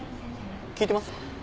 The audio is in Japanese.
聞いてます？